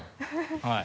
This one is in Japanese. はい。